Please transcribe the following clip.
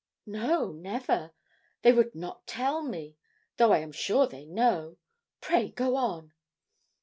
'No, never, they would not tell me, though I am sure they know. Pray go on.'